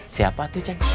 siapa tuh ceng